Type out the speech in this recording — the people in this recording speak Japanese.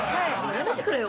やめてくれよ！